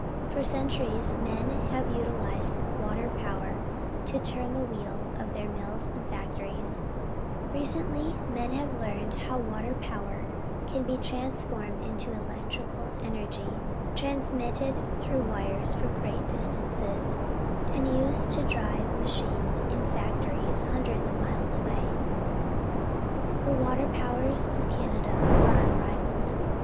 For centuries men have utilized water power to turn the wheels of their mills and factories. Recently men have learned how water power can be transformed into electrical energj', transmitted through wires for great distances, and used to drive ma Bridge on the Line of the Canadian National Railways chines in factories hundreds of miles away. The water powers of Canada are un rivalled.